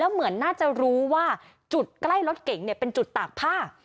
เหมือนน่าจะรู้ว่าจุดใกล้รถเก่งเป็นจุดตากผ้า